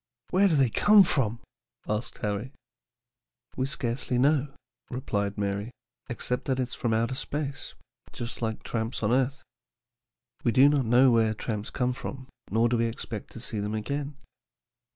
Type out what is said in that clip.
"Where do they come from?" asked Harry. [Illustration: A COMET.] "We scarcely know," replied Mary, "except that it is from outer space, just like tramps on earth. We do not know where tramps come from, nor do we expect to see them again.